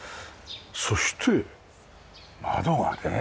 そして窓がね。